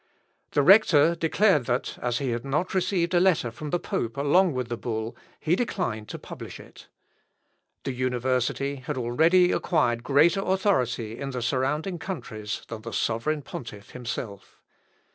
The rector declared that, as he had not received a letter from the pope along with the bull, he declined to publish it. The university had already acquired greater authority in the surrounding countries than the sovereign pontiff himself.